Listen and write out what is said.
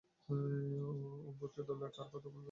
অন্বুরকে ধরলে কার কথা বলবে?